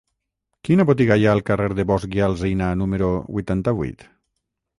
Quina botiga hi ha al carrer de Bosch i Alsina número vuitanta-vuit?